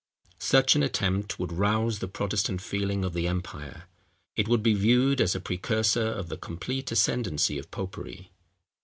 Such an attempt would rouse the Protestant feeling of the empire: it would be viewed as a precursor of the complete ascendency of popery.